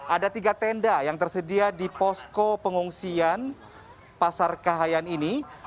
ada tiga tenda yang tersedia di posko pengungsian pasar kahayan ini